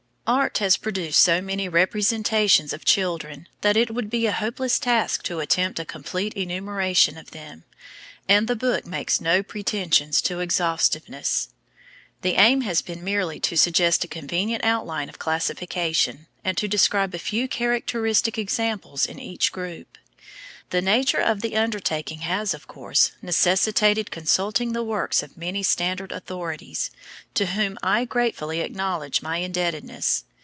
Art has produced so many representations of children that it would be a hopeless task to attempt a complete enumeration of them, and the book makes no pretensions to exhaustiveness. The aim has been merely to suggest a convenient outline of classification, and to describe a few characteristic examples in each group. The nature of the undertaking has, of course, necessitated consulting the works of many standard authorities, to whom I gratefully acknowledge my indebtedness.